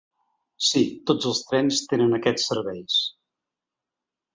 Si, tots els trens tenen aquests serveis.